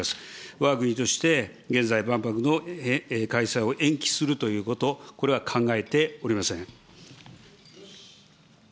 わが国として現在、万博の開催を延期するということ、これは考えておりません。